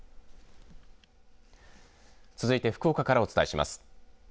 続いて福岡からお伝えします。